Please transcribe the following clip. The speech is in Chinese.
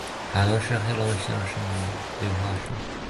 海伦市是黑龙江省绥化市下辖的一个县级市。